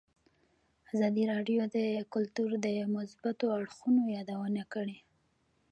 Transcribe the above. ازادي راډیو د کلتور د مثبتو اړخونو یادونه کړې.